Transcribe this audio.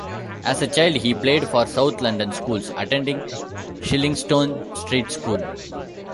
As a child he played for South London Schools, attending Shillingstone Street School.